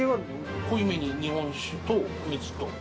濃いめに日本酒と水と。